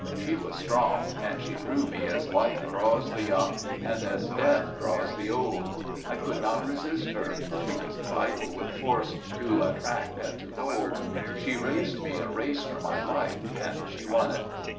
"She was strong, and she drew me as life draws the young And as death draws the old. I could not resist her. She was vital with force, to attract and to hold. She raced me a race for my life, and she won it.